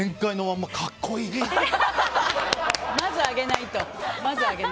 まず上げないと。